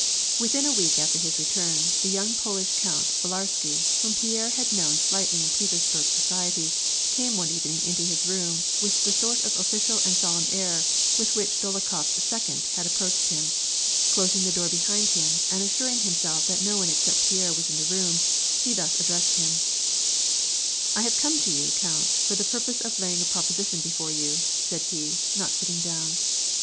Within a week after his return, the young Polish Count Villarsky, whom Pierre had known slightly in Petersburg society, came one evening into his room with the same sort of official and solemn air with which Dolokhof s second had ap proached him; closing the door behind him, and assuring himself that no one except Pierre wjfe in the room, he thus addressed him, — "I have come to you, count, for the purpose of laying a proposition before you," said he, not sitting down.